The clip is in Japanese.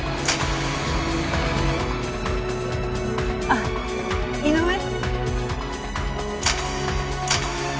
あっ井上？